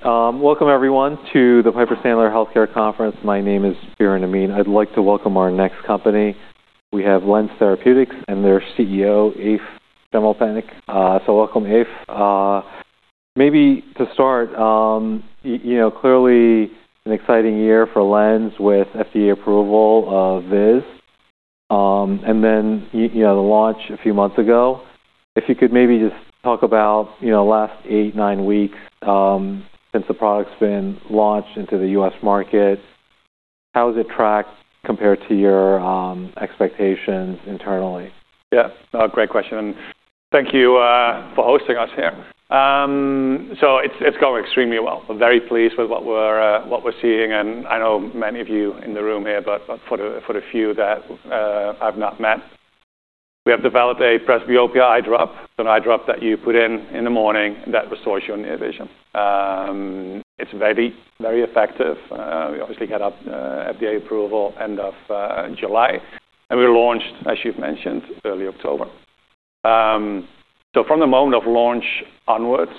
Great. Welcome everyone to the Piper Sandler Healthcare Conference. My name is Biren Amin. I'd like to welcome our next company. We have LENZ Therapeutics and their CEO, Eef Schimmelpennink. So, welcome, Eef. Maybe to start, you know, clearly an exciting year for LENZ with FDA approval of VIZZ. And then, you know, the launch a few months ago. If you could maybe just talk about, you know, last eight, nine weeks, since the product's been launched into the U.S. market, how's it tracked compared to your expectations internally? Yeah. Great question. Thank you for hosting us here. So it's going extremely well. We're very pleased with what we're seeing. And I know many of you in the room here, but for the few that I've not met, we have developed a presbyopia eye drop, an eye drop that you put in the morning that restores your near vision. It's very, very effective. We obviously got our FDA approval end of July. And we launched, as you've mentioned, early October. So from the moment of launch onwards,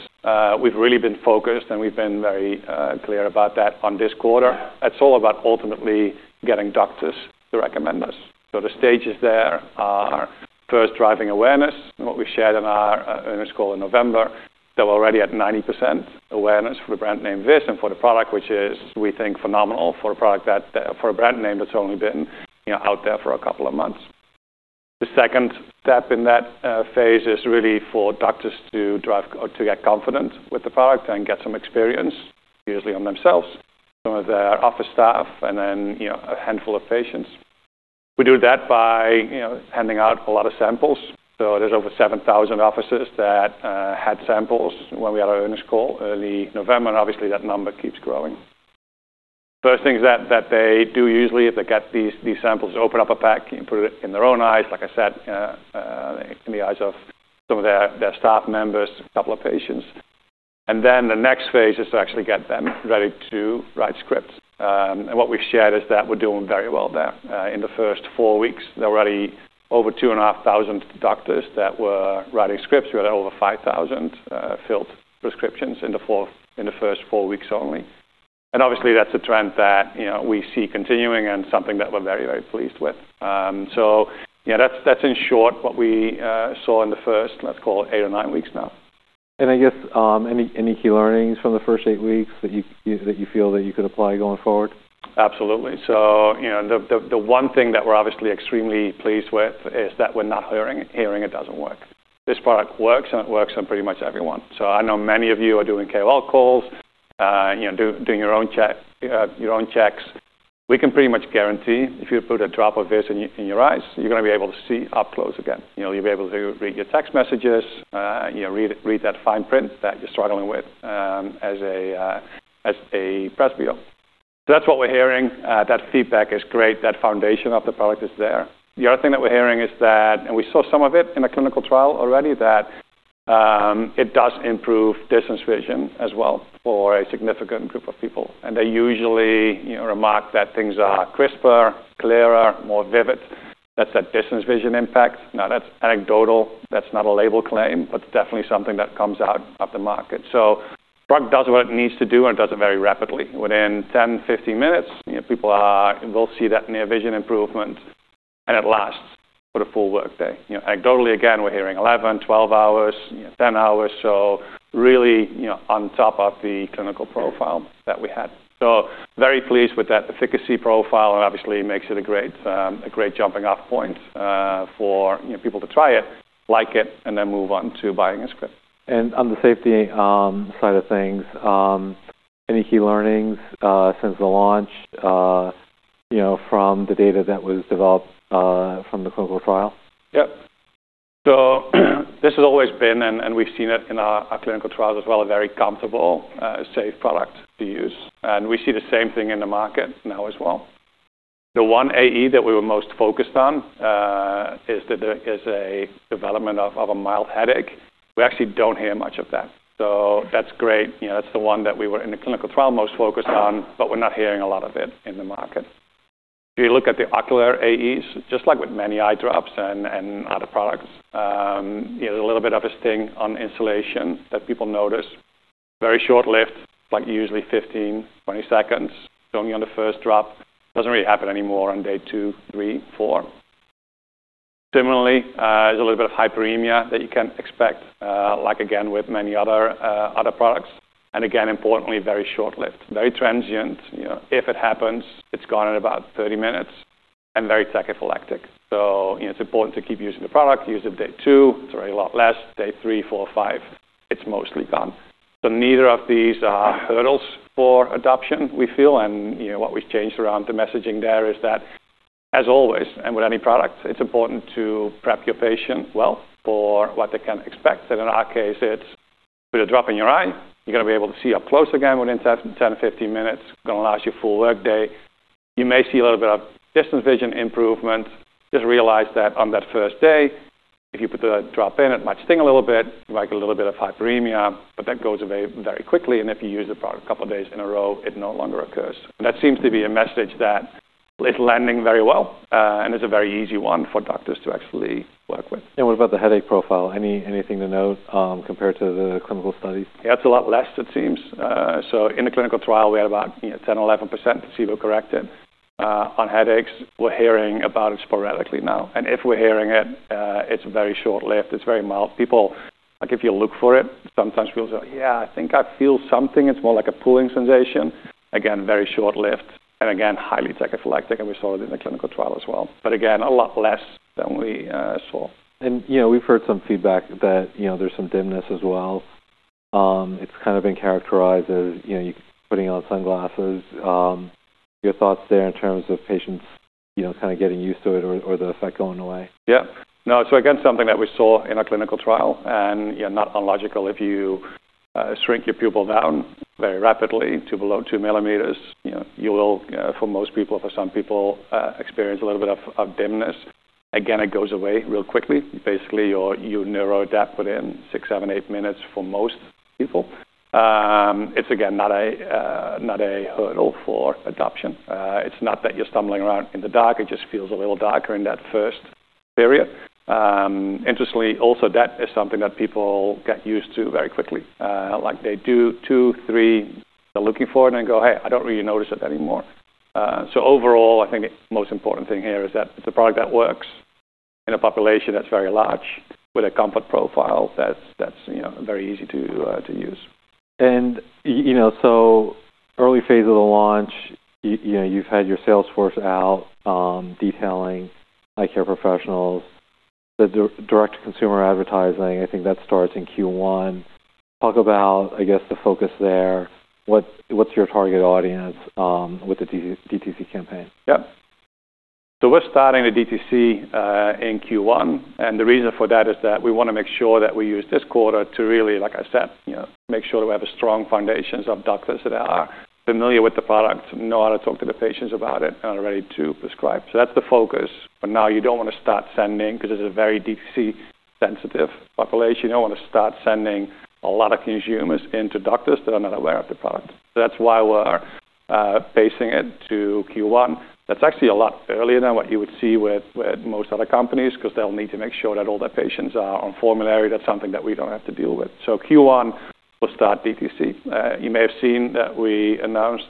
we've really been focused and we've been very clear about that on this quarter. It's all about ultimately getting doctors to recommend us. So the stages there are first driving awareness, what we shared in our earnings call in November. So we're already at 90% awareness for the brand name VIZZ and for the product, which is, we think, phenomenal for a product that, for a brand name that's only been, you know, out there for a couple of months. The second step in that phase is really for doctors to drive or to get confident with the product and get some experience, usually on themselves, some of their office staff, and then, you know, a handful of patients. We do that by, you know, handing out a lot of samples. So there's over 7,000 offices that had samples when we had our earnings call early November. And obviously, that number keeps growing. First things that they do usually if they get these samples is open up a pack and put it in their own eyes, like I said, in the eyes of some of their staff members, a couple of patients. And then the next phase is to actually get them ready to write scripts, and what we've shared is that we're doing very well there. In the first four weeks, there were already over two and a half thousand doctors that were writing scripts. We had over 5,000 filled prescriptions in the first four weeks only. And obviously, that's a trend that, you know, we see continuing and something that we're very, very pleased with. So, yeah, that's in short what we saw in the first, let's call it, eight or nine weeks now. I guess any key learnings from the first eight weeks that you feel that you could apply going forward? Absolutely. So, you know, the one thing that we're obviously extremely pleased with is that we're not hearing it doesn't work. This product works and it works on pretty much everyone. So I know many of you are doing KOL calls, you know, doing your own checks. We can pretty much guarantee if you put a drop of VIZZ in your eyes, you're gonna be able to see up close again. You'll be able to read your text messages, you know, read that fine print that you're struggling with, as a presbyope. So that's what we're hearing. That feedback is great. That foundation of the product is there. The other thing that we're hearing is that, and we saw some of it in a clinical trial already, that it does improve distance vision as well for a significant group of people. And they usually, you know, remark that things are crisper, clearer, more vivid. That's that distance vision impact. Now, that's anecdotal. That's not a label claim, but it's definitely something that comes out of the market. So the product does what it needs to do, and it does it very rapidly. Within 10 minutes, 15 minutes, you know, people are, will see that near vision improvement, and it lasts for the full workday. You know, anecdotally, again, we're hearing 11 hours, 12 hours, you know, 10 hours. So really, you know, on top of the clinical profile that we had. So very pleased with that efficacy profile. Obviously, it makes it a great, a great jumping-off point for, you know, people to try it, like it, and then move on to buying a script. On the safety side of things, any key learnings since the launch, you know, from the data that was developed from the clinical trial? Yep. So this has always been, and we've seen it in our clinical trials as well, a very comfortable, safe product to use. And we see the same thing in the market now as well. The one AE that we were most focused on is that there is a development of a mild headache. We actually don't hear much of that. So that's great. You know, that's the one that we were in the clinical trial most focused on, but we're not hearing a lot of it in the market. If you look at the ocular AEs, just like with many eye drops and other products, you know, there's a little bit of a sting on instillation that people notice. Very short-lived, like usually 15 seconds, 20 seconds, only on the first drop. Doesn't really happen anymore on day two, three, four. Similarly, there's a little bit of hyperemia that you can expect, like again with many other, other products. And again, importantly, very short-lived, very transient. You know, if it happens, it's gone in about 30 minutes and very tachyphylactic. So, you know, it's important to keep using the product. Use it day two. It's already a lot less. Day three, four, five, it's mostly gone. So neither of these are hurdles for adoption, we feel. And, you know, what we've changed around the messaging there is that, as always, and with any product, it's important to prep your patient well for what they can expect. And in our case, it's put a drop in your eye. You're gonna be able to see up close again within 10 minutes-15 minutes. Gonna last you a full workday. You may see a little bit of distance vision improvement. Just realize that on that first day, if you put the drop in, it might sting a little bit, might get a little bit of hyperemia, but that goes away very quickly, and if you use the product a couple of days in a row, it no longer occurs, and that seems to be a message that is landing very well, and is a very easy one for doctors to actually work with. What about the headache profile? Anything to note, compared to the clinical studies? Yeah, it's a lot less, it seems. So in the clinical trial, we had about, you know, 10%-11% placebo-corrected on headaches. We're hearing about it sporadically now. And if we're hearing it, it's very short-lived. It's very mild. People, like, if you look for it, sometimes people say, "Yeah, I think I feel something." It's more like a pulling sensation. Again, very short-lived. And again, highly tachyphylactic. And we saw it in the clinical trial as well. But again, a lot less than we saw. And, you know, we've heard some feedback that, you know, there's some dimness as well. It's kind of been characterized as, you know, you putting on sunglasses. Your thoughts there in terms of patients, you know, kind of getting used to it or the effect going away? Yeah. No, it's again something that we saw in our clinical trial. You know, not unlogical. If you shrink your pupil down very rapidly to below two millimeters, you know, you will, for most people, for some people, experience a little bit of dimness. Again, it goes away real quickly. Basically, you neuroadapt within six, seven, eight minutes for most people. It's again not a hurdle for adoption. It's not that you're stumbling around in the dark. It just feels a little darker in that first period. Interestingly, also that is something that people get used to very quickly. Like they do two, three, they're looking for it and go, "Hey, I don't really notice it anymore." So overall, I think the most important thing here is that it's a product that works in a population that's very large with a comfort profile that's, you know, very easy to use. You know, so early phase of the launch, you know, you've had your sales force out, detailing eye care professionals, the direct-to-consumer advertising. I think that starts in Q1. Talk about, I guess, the focus there. What's your target audience with the DTC campaign? Yep, so we're starting the DTC in Q1, and the reason for that is that we wanna make sure that we use this quarter to really, like I said, you know, make sure that we have a strong foundation of doctors that are familiar with the product, know how to talk to the patients about it, and are ready to prescribe, so that's the focus, but now you don't wanna start sending 'cause it's a very DTC-sensitive population. You don't wanna start sending a lot of consumers into doctors that are not aware of the product, so that's why we're pacing it to Q1. That's actually a lot earlier than what you would see with most other companies 'cause they'll need to make sure that all their patients are on formulary. That's something that we don't have to deal with, so Q1 we'll start DTC. You may have seen that we announced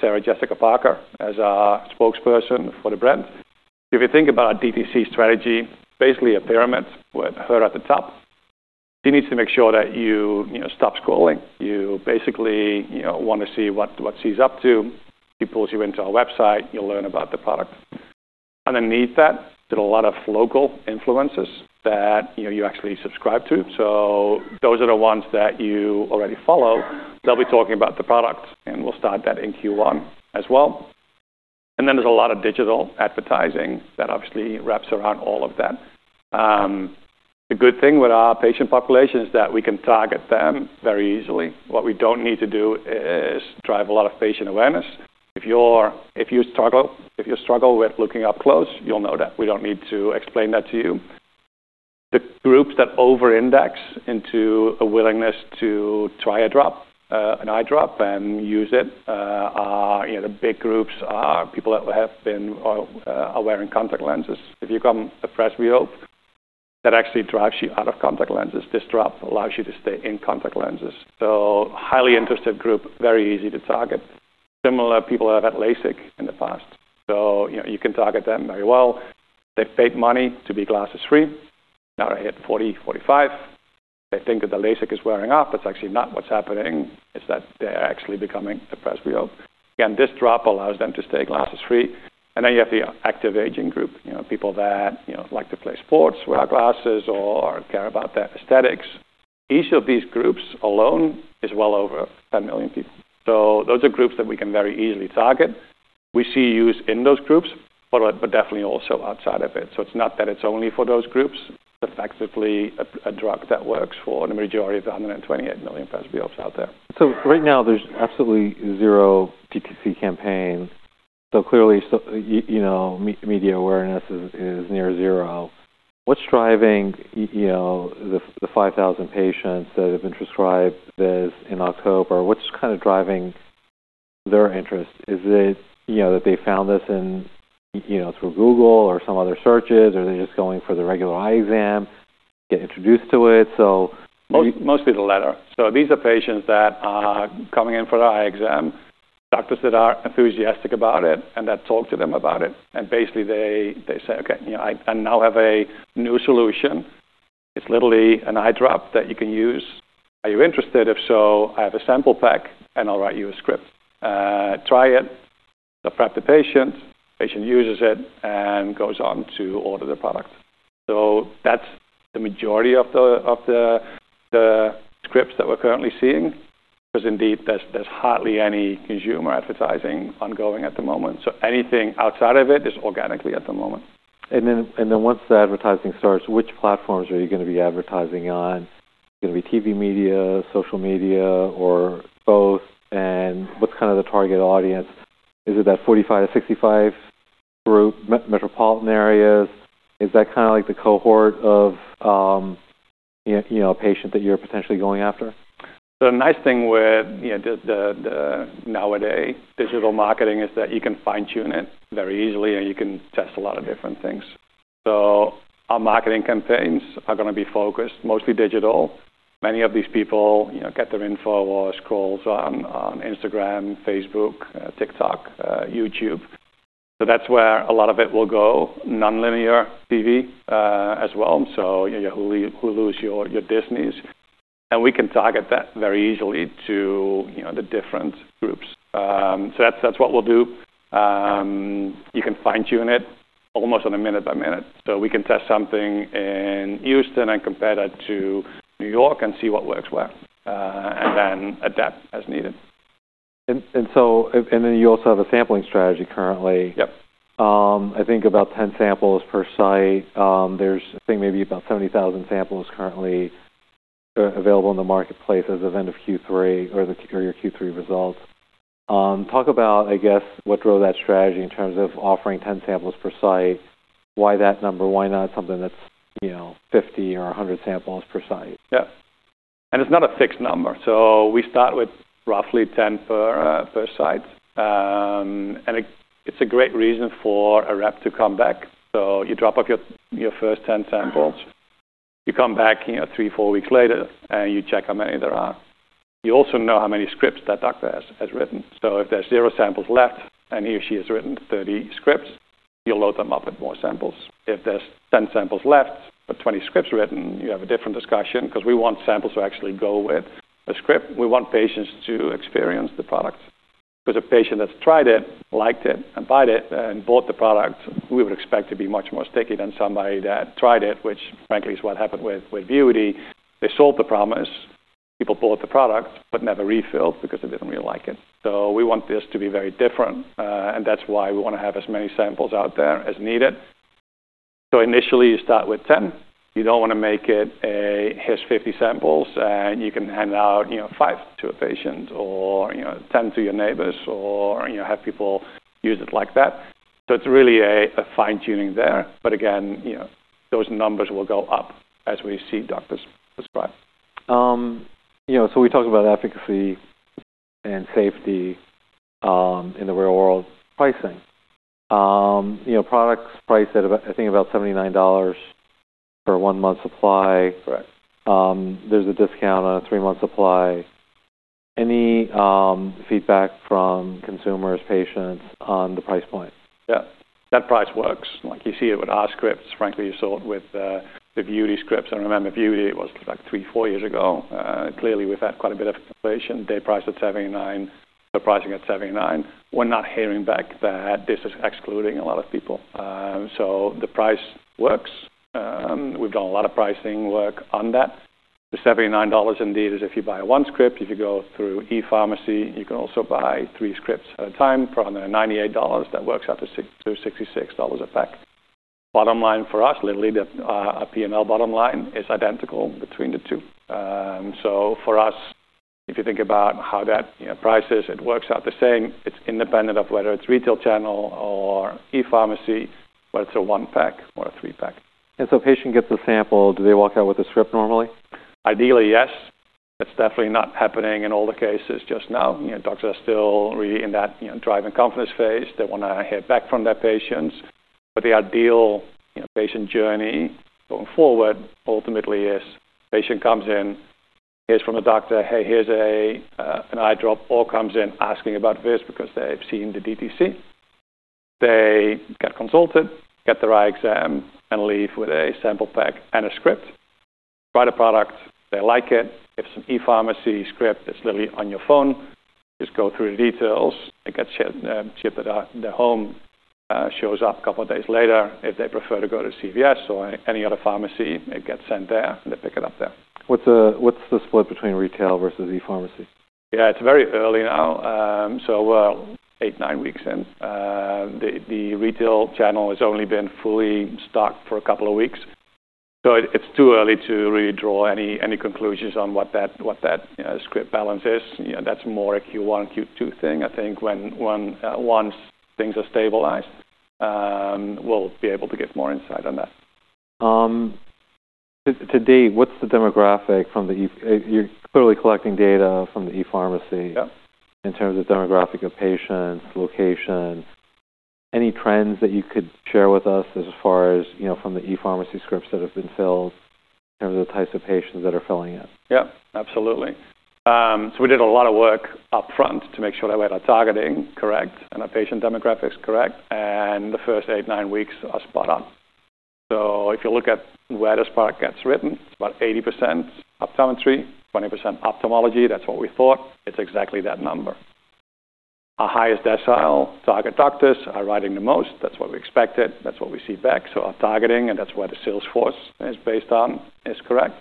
Sarah Jessica Parker as our spokesperson for the brand. If you think about our DTC strategy, basically a pyramid with her at the top. She needs to make sure that you, you know, stop scrolling. You basically, you know, wanna see what, what she's up to. She pulls you into our website. You'll learn about the product. Underneath that, there's a lot of local influencers that, you know, you actually subscribe to. So those are the ones that you already follow. They'll be talking about the product, and we'll start that in Q1 as well. And then there's a lot of digital advertising that obviously wraps around all of that. The good thing with our patient population is that we can target them very easily. What we don't need to do is drive a lot of patient awareness. If you struggle with looking up close, you'll know that. We don't need to explain that to you. The groups that over-index into a willingness to try a drop, an eye drop and use it, you know, the big groups are people that have been or are wearing contact lenses. If you become a presbyope, that actually drives you out of contact lenses. This drop allows you to stay in contact lenses. So highly interested group, very easy to target. Similar people that have had LASIK in the past. So, you know, you can target them very well. They've paid money to be glasses-free. Now they hit 40, 45. They think that the LASIK is wearing off. That's actually not what's happening. It's that they're actually becoming a presbyope. Again, this drop allows them to stay glasses-free. And then you have the active aging group, you know, people that, you know, like to play sports without glasses or care about their aesthetics. Each of these groups alone is well over 10 million people. So those are groups that we can very easily target. We see use in those groups, but definitely also outside of it. So it's not that it's only for those groups. It's effectively a drug that works for the majority of the 128 million presbyopes out there. So right now, there's absolutely zero DTC campaign. So clearly, media awareness is near zero. What's driving you know the 5,000 patients that have been prescribed this in October? What's kind of driving their interest? Is it you know that they found this in you know through Google or some other searches, or they're just going for the regular eye exam, get introduced to it? So. Most. Most, mostly the latter. So these are patients that are coming in for the eye exam, doctors that are enthusiastic about it, and that talk to them about it. And basically, they say, "Okay, you know, I now have a new solution. It's literally an eye drop that you can use. Are you interested? If so, I have a sample pack, and I'll write you a script. Try it." They'll prep the patient. Patient uses it and goes on to order the product. So that's the majority of the scripts that we're currently seeing 'cause indeed, there's hardly any consumer advertising ongoing at the moment. So anything outside of it is organically at the moment. And then once the advertising starts, which platforms are you gonna be advertising on? Gonna be TV media, social media, or both? And what's kind of the target audience? Is it that 45 to 65 group, metropolitan areas? Is that kinda like the cohort of, you know, a patient that you're potentially going after? The nice thing with, you know, the nowadays digital marketing is that you can fine-tune it very easily, and you can test a lot of different things. So our marketing campaigns are gonna be focused mostly digital. Many of these people, you know, get their info or scrolls on Instagram, Facebook, TikTok, YouTube. So that's where a lot of it will go. Non-linear TV, as well. So, you know, we'll Hulu, Hulu is your Disney's. And we can target that very easily to, you know, the different groups, so that's what we'll do. You can fine-tune it almost on a minute-by-minute. So we can test something in Houston and compare that to New York and see what works where, and then adapt as needed. And so then you also have a sampling strategy currently. Yep. I think about 10 samples per site. There's, I think, maybe about 70,000 samples currently available in the marketplace as of end of Q3 or your Q3 results. Talk about, I guess, what drove that strategy in terms of offering 10 samples per site. Why that number? Why not something that's, you know, 50 or 100 samples per site? Yep. And it's not a fixed number. So we start with roughly 10 per site. And it's a great reason for a rep to come back. So you drop off your first 10 samples. You come back, you know, three, four weeks later, and you check how many there are. You also know how many scripts that doctor has written. So if there's zero samples left and he or she has written 30 scripts, you'll load them up with more samples. If there's 10 samples left but 20 scripts written, you have a different discussion 'cause we want samples to actually go with the script. We want patients to experience the product 'cause a patient that's tried it, liked it, and bought it, and bought the product, we would expect to be much more sticky than somebody that tried it, which frankly is what happened with VUITY. They sold the promise. People bought the product but never refilled because they didn't really like it. So we want this to be very different, and that's why we wanna have as many samples out there as needed. So initially, you start with 10. You don't wanna make it a, "Here's 50 samples," and you can hand out, you know, five to a patient or, you know, 10 to your neighbors or, you know, have people use it like that. So it's really a fine-tuning there. But again, you know, those numbers will go up as we see doctors prescribe. You know, so we talked about efficacy and safety, in the real world. Pricing. You know, products priced at about, I think, about $79 for a one-month supply. Correct. There's a discount on a three-month supply. Any feedback from consumers, patients on the price point? Yeah. That price works. Like you see it with our scripts. Frankly, you saw it with the VUITY scripts. I remember VUITY, it was like three, four years ago. Clearly, we've had quite a bit of inflation. Day price at $79. The pricing at $79. We're not hearing back that this is excluding a lot of people. So the price works. We've done a lot of pricing work on that. The $79 indeed is if you buy one script. If you go through e-pharmacy, you can also buy three scripts at a time for under $98. That works out to six to $66 a pack. Bottom line for us, literally, the P&L bottom line is identical between the two. So for us, if you think about how that, you know, price is, it works out the same. It's independent of whether it's retail channel or e-pharmacy, whether it's a one pack or a three pack. And so patient gets a sample. Do they walk out with a script normally? Ideally, yes. That's definitely not happening in all the cases just now. You know, doctors are still really in that, you know, driving confidence phase. They wanna hear back from their patients. But the ideal, you know, patient journey going forward ultimately is patient comes in, hears from the doctor, "Hey, here's a, an eye drop," or comes in asking about this because they've seen the DTC. They get consulted, get the right exam, and leave with a sample pack and a script. Try the product. They like it. Get some e-pharmacy script. It's literally on your phone. Just go through the details. It gets shipped to the home, shows up a couple of days later. If they prefer to go to CVS or any other pharmacy, it gets sent there, and they pick it up there. What's the split between retail versus e-pharmacy? Yeah. It's very early now. So, eight, nine weeks in. The retail channel has only been fully stocked for a couple of weeks. So it's too early to really draw any conclusions on what that, you know, script balance is. You know, that's more a Q1, Q2 thing. I think when once things are stabilized, we'll be able to get more insight on that. Today, what's the demographic from the e-pharmacy? You're clearly collecting data from the e-pharmacy. Yep. In terms of demographics of patients, location. Any trends that you could share with us as far as, you know, from the e-pharmacy scripts that have been filled in terms of the types of patients that are filling it? Yep. Absolutely, so we did a lot of work upfront to make sure that we had our targeting correct and our patient demographics correct. And the first eight, nine weeks are spot on. So if you look at where this product gets written, it's about 80% optometry, 20% ophthalmology. That's what we thought. It's exactly that number. Our highest decile target doctors are writing the most. That's what we expected. That's what we see back. So our targeting, and that's what the sales force is based on, is correct.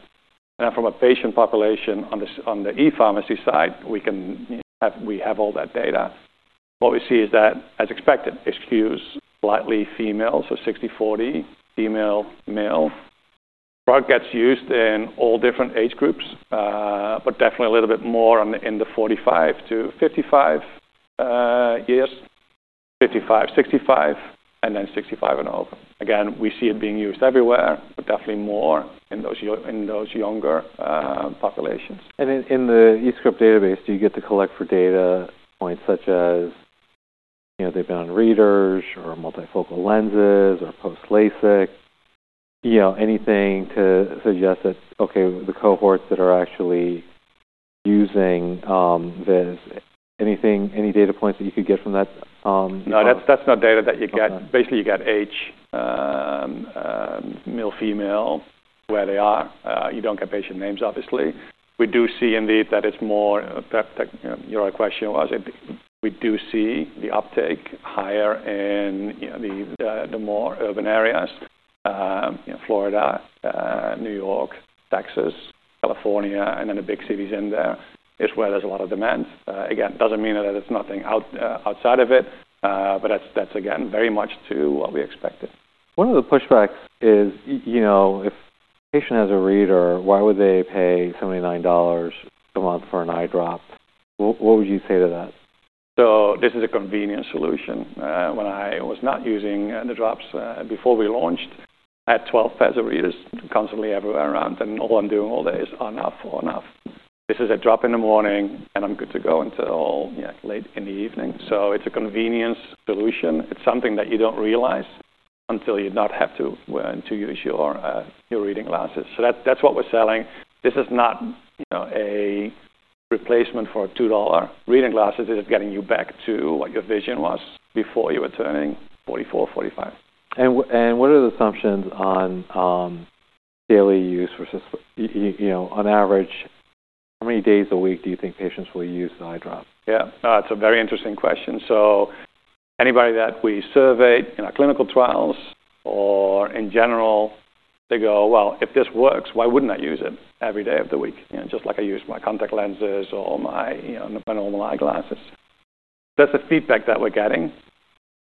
And then from a patient population on the e-pharmacy side, we can, you know, we have all that data. What we see is that, as expected, it's slightly female. So 60%-40%, female, male. Product gets used in all different age groups, but definitely a little bit more in the 45-55 years. 55, 65, and then 65 and over. Again, we see it being used everywhere, but definitely more in those younger populations. In the e-script database, do you get to collect for data points such as, you know, they've been on readers or multifocal lenses or post-LASIK? You know, anything to suggest that, okay, the cohorts that are actually using this? Anything, any data points that you could get from that, e-form? No, that's not data that you get. No. Basically, you get age, male, female, where they are. You don't get patient names, obviously. We do see indeed that it's more, you know, your question was, we do see the uptake higher in, you know, the more urban areas. You know, Florida, New York, Texas, California, and then the big cities in there is where there's a lot of demand. Again, doesn't mean that it's nothing outside of it. But that's, again, very much to what we expected. One of the pushbacks is, you know, if a patient has a reader, why would they pay $79 a month for an eye drop? What would you say to that? So this is a convenient solution. When I was not using the drops before we launched, I had 12 pairs of readers constantly everywhere around, and all I'm doing all day is on off, on off. This is a drop in the morning, and I'm good to go until, you know, late in the evening. So it's a convenience solution. It's something that you don't realize until you not have to wear and to use your, your reading glasses. So that, that's what we're selling. This is not, you know, a replacement for a $2 reading glasses. This is getting you back to what your vision was before you were turning 44, 45. What are the assumptions on daily use versus, you know, on average, how many days a week do you think patients will use the eye drop? Yeah. It's a very interesting question. So anybody that we surveyed in our clinical trials or in general, they go, "Well, if this works, why wouldn't I use it every day of the week?" You know, just like I use my contact lenses or my, you know, my normal eye glasses. That's the feedback that we're getting.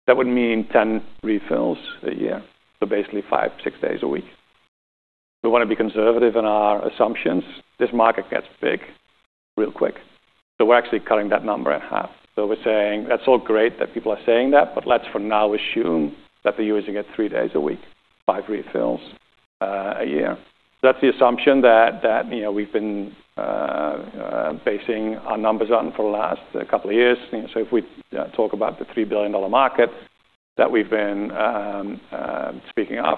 That would mean 10 refills a year. So basically, five, six days a week. We wanna be conservative in our assumptions. This market gets big real quick. So we're actually cutting that number in half. So we're saying, "That's all great that people are saying that, but let's for now assume that they're using it three days a week, five refills a year." That's the assumption that, you know, we've been basing our numbers on for the last couple of years. You know, so if we talk about the $3 billion market that we've been speaking of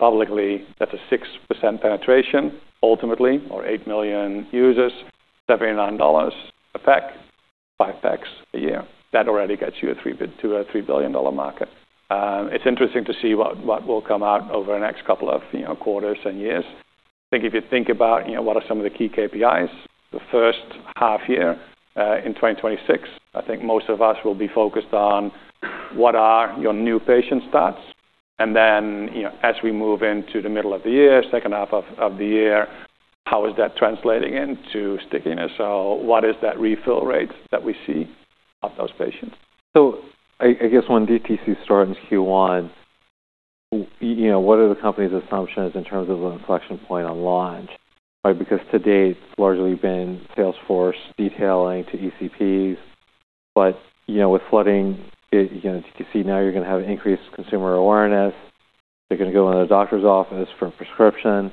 publicly, that's a 6% penetration ultimately or 8 million users, $79 a pack, five packs a year. That already gets you a three to a $3 billion market. It's interesting to see what will come out over the next couple of quarters and years. I think if you think about what are some of the key KPIs the first half year in 2026, I think most of us will be focused on what are your new patient starts. And then, you know, as we move into the middle of the year, second half of the year, how is that translating into stickiness? So what is that refill rate that we see of those patients? I guess when DTC starts in Q1, you know, what are the company's assumptions in terms of an inflection point on launch, right? Because to date, it's largely been sales force detailing to ECPs. But, you know, with the DTC, you know, DTC, now you're gonna have increased consumer awareness. They're gonna go into the doctor's office for a prescription.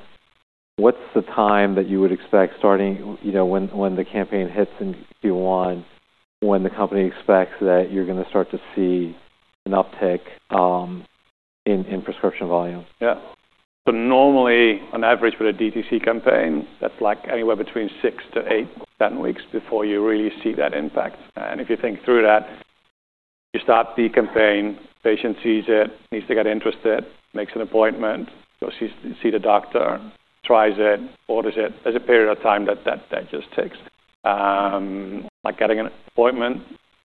What's the time that you would expect starting, you know, when the campaign hits in Q1, when the company expects that you're gonna start to see an uptick in prescription volume? Yeah. So normally, on average, with a DTC campaign, that's like anywhere between six to eight, seven weeks before you really see that impact. And if you think through that, you start the campaign, patient sees it, needs to get interested, makes an appointment, goes to see the doctor, tries it, orders it. There's a period of time that just takes, like getting an appointment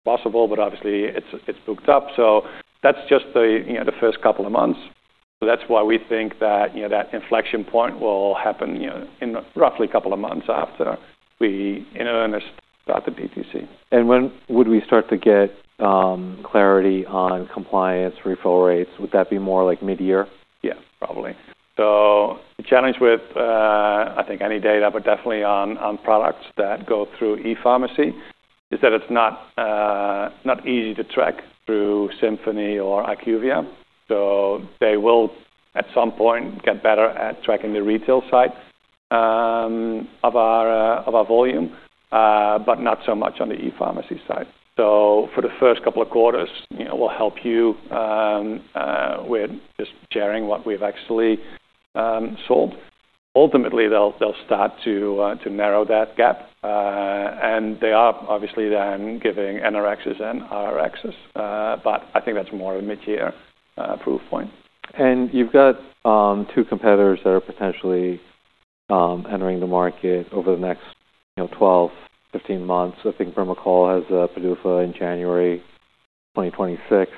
possible, but obviously, it's booked up. So that's just the, you know, the first couple of months. So that's why we think that, you know, that inflection point will happen, you know, in roughly a couple of months after we, in earnest, start the DTC. And when would we start to get clarity on compliance refill rates? Would that be more like mid-year? Yeah, probably. So the challenge with, I think any data, but definitely on products that go through e-pharmacy, is that it's not easy to track through Symphony or IQVIA. So they will, at some point, get better at tracking the retail side of our volume, but not so much on the e-pharmacy side. So for the first couple of quarters, you know, we'll help you with just sharing what we've actually sold. Ultimately, they'll start to narrow that gap and they are obviously then giving NRXs and RRXs. But I think that's more of a mid-year proof point. And you've got two competitors that are potentially entering the market over the next, you know, 12months-15 months. I think BRIMOCHOL has a PDUFA in January 2026.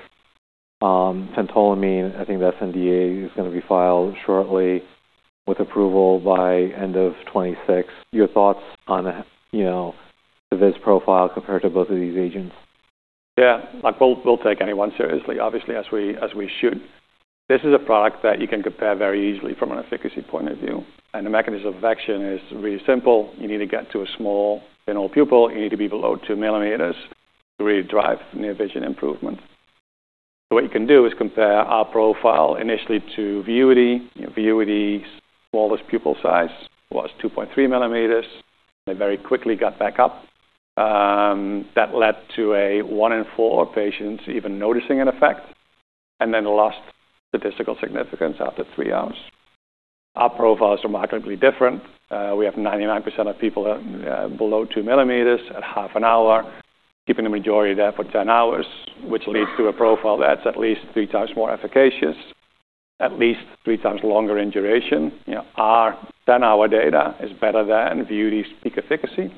Phentolamine, I think the sNDA is gonna be filed shortly with approval by end of 2026. Your thoughts on, you know, the VIS profile compared to both of these agents? Yeah. Like we'll take anyone seriously, obviously, as we shoot. This is a product that you can compare very easily from an efficacy point of view. And the mechanism of action is really simple. You need to get to a small, pinhole pupil. You need to be below 2 mm to really drive near vision improvement. So what you can do is compare our profile initially to VUITY. VUITY's smallest pupil size was 2.3 mm, and it very quickly got back up. That led to one in four of patients even noticing an effect, and then lost statistical significance after three hours. Our profile's remarkably different. We have 99% of people that below 2 mm at half an hour, keeping the majority there for 10 hours, which leads to a profile that's at least three times more efficacious, at least three times longer in duration. You know, our 10-hour data is better than VUITY's peak efficacy,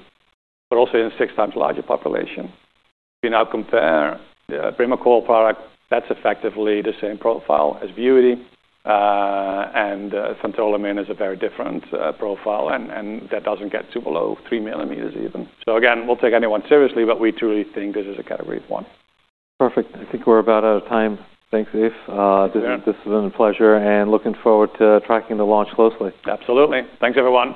but also in a six times larger population. If you now compare the BRIMOCHOL product, that's effectively the same profile as VUITY, and phentolamine is a very different profile. And that doesn't get down below 3 mm even. So again, we'll take anyone seriously, but we truly think this is a Category 1. Perfect. I think we're about out of time. Thanks, Dave. Yeah. This has been a pleasure, and looking forward to tracking the launch closely. Absolutely. Thanks everyone.